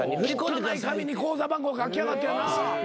汚い紙に口座番号書きやがってやな。